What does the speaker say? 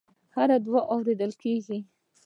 هره دعا اورېدل کېږي.